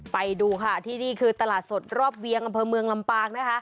ไปดูค่ะที่นี่คือตลาดสดรอบเวียงอำเภอเมืองลำปางนะคะ